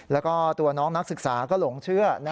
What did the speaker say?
แล้วก็ตัวน้องนักศึกษาก็หลงเชื่อ